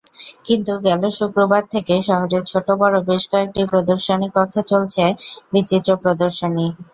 কিন্তু গেল শুক্রবার থেকে শহরের ছোট-বড় বেশ কয়েকটি প্রদর্শনীকক্ষে চলছে বিচিত্র প্রদর্শনী।